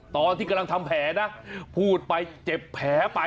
ตอนที่กำลังทำแผลนะพูดไปเจ็บแผลไป